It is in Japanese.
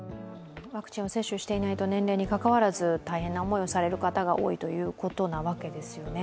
ワクチンを接種していないと年齢にかかわらず大変な思いをする方がいるということですよね。